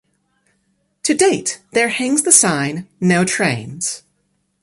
To date, there hangs the sign "No trains".